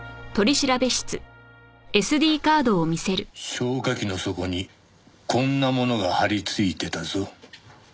消火器の底にこんなものが貼り付いてたぞ。